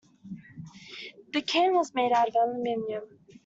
The can was made out of aluminium.